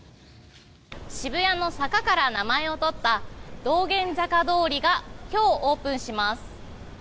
渋谷の坂から名前を取った道玄坂通が今日オープンします。